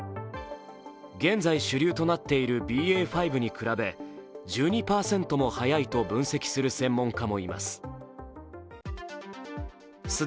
現在主流となっているＢＡ．５に比べ１２％も早いと分析する専門家もいます。